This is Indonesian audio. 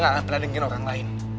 dia akan peladengin orang lain